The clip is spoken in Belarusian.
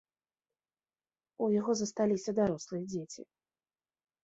У яго засталіся дарослыя дзеці.